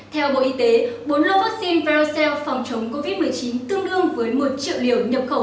theo bộ y tế bốn lô vaccine prosen phòng chống covid một mươi chín tương đương với một triệu liều nhập khẩu